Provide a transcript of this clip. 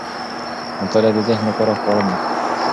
مطالعه د ذهن لپاره خواړه دي.